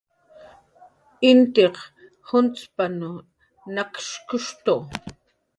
"Intin juncx'p"" janchis nakshki"